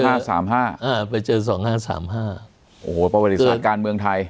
โอ้โหประวัติศาสตร์การเมืองไทย